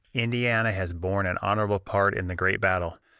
"Indiana has borne an honorable part in the great battle.